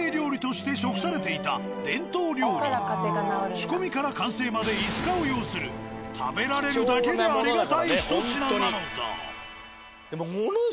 仕込みから完成まで５日を要する食べられるだけでありがたいひと品なのだ。